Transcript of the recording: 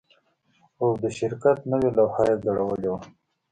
او د شرکت نوې لوحه یې ځړولې وه